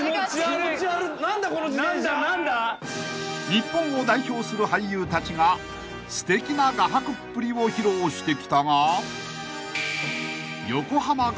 ［日本を代表する俳優たちがすてきな画伯っぷりを披露してきたが］